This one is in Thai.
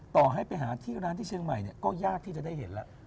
ต่อให้ไปหาที่ร้านที่เชียงใหม่เนี่ยก็ยากที่จะได้เห็นแล้ว